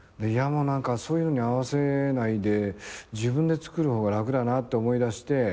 そういうのに合わせないで自分で作る方が楽だなって思いだして。